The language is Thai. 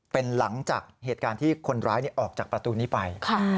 เป็นหลังจากเหตุการณ์ที่คนร้ายออกจากประตูนี้ไป